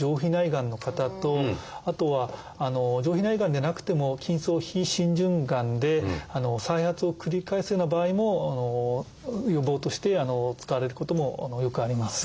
がんの方とあとは上皮内がんじゃなくても筋層非浸潤がんで再発を繰り返すような場合も予防として使われることもよくあります。